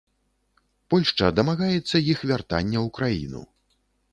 Польшча дамагаецца іх вяртання ў краіну.